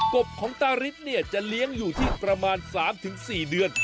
บของตาริสเนี่ยจะเลี้ยงอยู่ที่ประมาณ๓๔เดือน